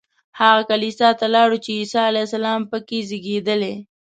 هغه کلیسا ته لاړو چې عیسی علیه السلام په کې زېږېدلی.